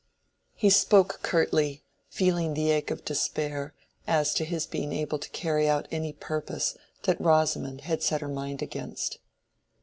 He spoke curtly, feeling the ache of despair as to his being able to carry out any purpose that Rosamond had set her mind against.